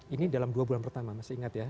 ini dalam dua bulan pertama masih ingat ya